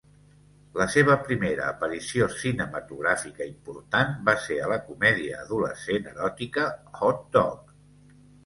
La seva primera aparició cinematogràfica important va ser a la comèdia adolescent eròtica "Hot Dog"...